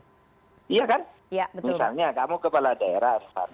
misalnya kamu kepala daerah